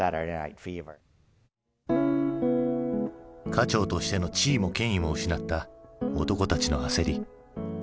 家長としての地位も権威も失った男たちの焦り。